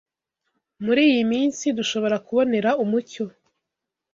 Muri iyi minsi, dushobora kubonera umucyo